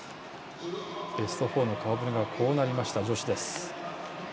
ベスト４の顔ぶれがこうなりました、女子です。